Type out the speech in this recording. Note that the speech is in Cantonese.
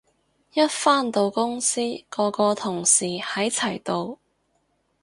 一返到公司個個同事喺齊度